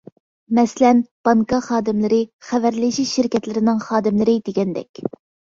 مەسىلەن: بانكا خادىملىرى، خەۋەرلىشىش شىركەتلىرىنىڭ خادىملىرى دېگەندەك.